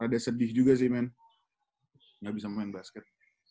rada sedih juga sih men gak bisa main basket